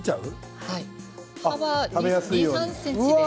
幅２、３ｃｍで。